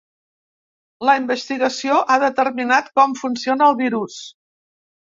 La investigació ha determinat com funciona el virus.